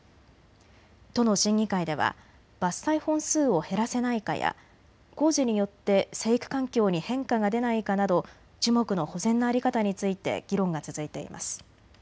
都の審議会では伐採本数を減らせないかや工事によって生育環境に変化が出ないかなど樹木の保全の在り方について議論が続いています。